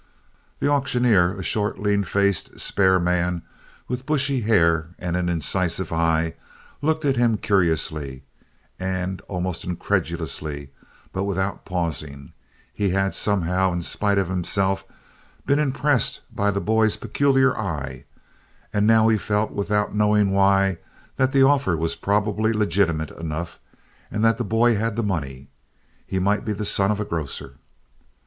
The auctioneer, a short lean faced, spare man with bushy hair and an incisive eye, looked at him curiously and almost incredulously but without pausing. He had, somehow, in spite of himself, been impressed by the boy's peculiar eye; and now he felt, without knowing why, that the offer was probably legitimate enough, and that the boy had the money. He might be the son of a grocer.